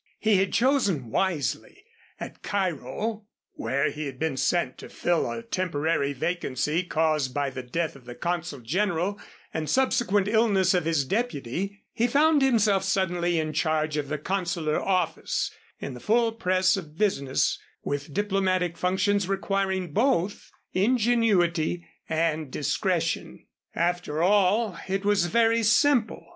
He had chosen wisely. At Cairo, where he had been sent to fill a temporary vacancy caused by the death of the consul general and subsequent illness of his deputy, he found himself suddenly in charge of the consular office in the fullest press of business, with diplomatic functions requiring both ingenuity and discretion. After all, it was very simple.